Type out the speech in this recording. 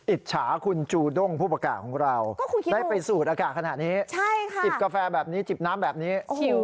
อิจฉาคุณจูด้งผู้ประกาศของเราได้ไปสูดอากาศขนาดนี้จิบกาแฟแบบนี้จิบน้ำแบบนี้